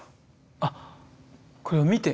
あっこれを見て？